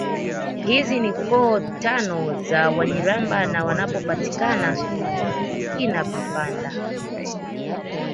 Hizi ni koo tano za Wanyiramba na wanapopatikana Kinampanda